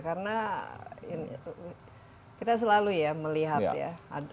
karena kita selalu ya melihat ya